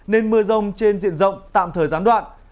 nên mưa rông trên diện rộng tạm thời gián đoạn